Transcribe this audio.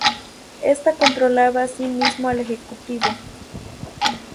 Esta controlaba asimismo al Ejecutivo.